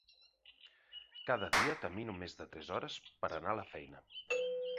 Cada dia camino més de tres hores per anar a la feina.